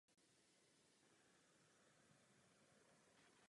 Vzhledem k neúčasti jeho strany na nové koaliční vládě přišel o ministerský post.